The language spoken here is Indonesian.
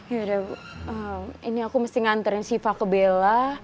yaudah bu ini aku mesti nganterin siva ke bella